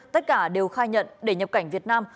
tất cả đều khai nhận để nhập cảnh việt nam